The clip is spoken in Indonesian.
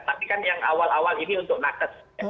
tapi kan yang awal awal ini untuk nakes